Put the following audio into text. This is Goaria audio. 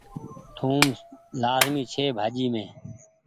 ٿوم لآزمي ڇي ڀآڃي مين۔